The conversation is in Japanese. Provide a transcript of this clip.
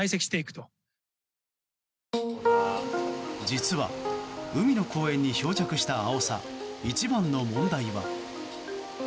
実は海の公園に漂着したアオサ一番の問題は。